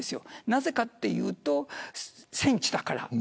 なぜかというと戦地だから。